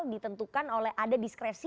ditentukan oleh ada diskresi